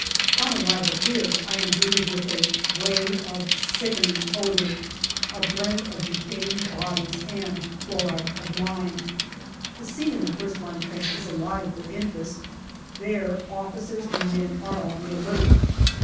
On arrival here I am greeted with a wave of sickening odour, a blend of decaying bodies and chloride of lime. The scene in the first line trench is alive with interest ; there officers and men are on the alert.